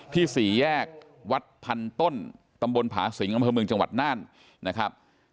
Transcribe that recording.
สี่แยกวัดพันต้นตำบลผาสิงอำเภอเมืองจังหวัดน่านนะครับ